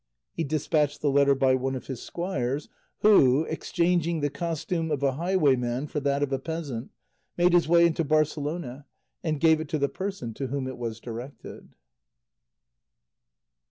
He despatched the letter by one of his squires, who, exchanging the costume of a highwayman for that of a peasant, made his way into Barcelona and gave it to the person to whom it was directed.